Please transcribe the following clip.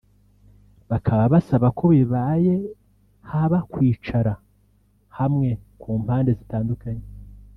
bakaba basaba ko bibaye haba kwicara hamwe ku mpande zitandukanye